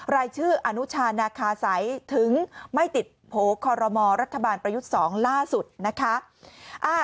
รายชื่ออนุชานาคาสัยถึงไม่ติดโผล่คอรมอรัฐบาลประยุทธ์๒ล่าสุดนะคะ